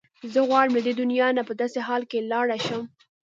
زه غواړم له دې دنیا نه په داسې حال کې لاړه شم.